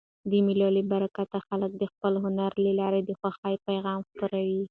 د مېلو له برکته خلک د خپل هنر له لاري د خوښۍ پیغام خپروي.